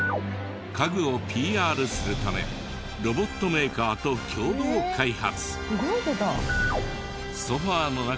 家具をＰＲするためロボットメーカーと共同開発。